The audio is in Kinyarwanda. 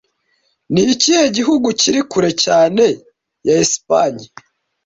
Ni ikihe gihugu kiri kure cyane ya Espanye